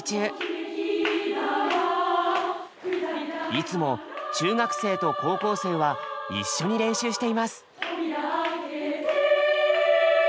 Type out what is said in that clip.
いつも中学生と高校生は一緒に練習しています。